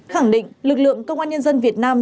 khẳng định lực lượng công an nhân dân việt nam